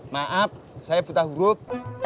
maaf saya buta buruk